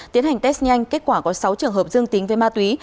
tiến hành test nhanh kết quả có sáu trường hợp dương tính với ma túy